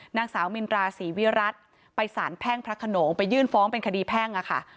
นางสาวมินราศรีวิรัติไปสารแพ่งพระขนงไปยื่นฟ้องเป็นคดีแพ่งอะค่ะ